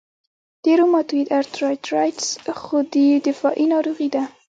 د روماتویید ارترایټرایټس خودي دفاعي ناروغي ده.